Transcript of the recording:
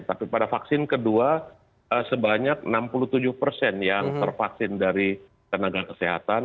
tapi pada vaksin kedua sebanyak enam puluh tujuh persen yang tervaksin dari tenaga kesehatan